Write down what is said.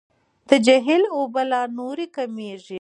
د جهیل اوبه لا نورې کمیږي.